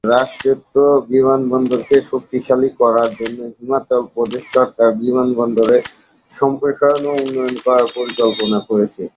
রাষ্ট্রায়ত্ত বিমানবন্দরকে শক্তিশালী করার জন্য, হিমাচল প্রদেশ সরকার বিমানবন্দরের সম্প্রসারণ ও উন্নয়ন করার পরিকল্পনা করছে।